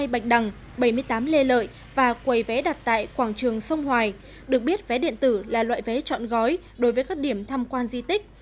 hai mươi bạch đằng bảy mươi tám lê lợi và quầy vé đặt tại quảng trường sông hoài được biết vé điện tử là loại vé chọn gói đối với các điểm tham quan di tích